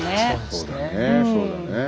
そうだねえそうだねえ。